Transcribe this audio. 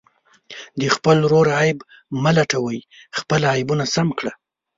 د خپل ورور عیب مه لټوئ، خپل عیبونه سم کړه.